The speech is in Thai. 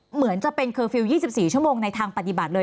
เหมือนจะเป็นเคอร์ฟิลล์๒๔ชั่วโมงในทางปฏิบัติเลย